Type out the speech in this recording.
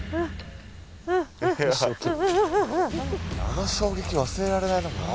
あの衝撃忘れられないな。